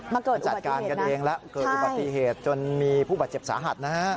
จัดการกันเองแล้วเกิดอุบัติเหตุจนมีผู้บาดเจ็บสาหัสนะฮะ